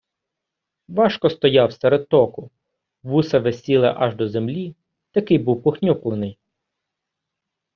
Важко стояв серед току, вуса висіли аж до землі, такий був похнюплений.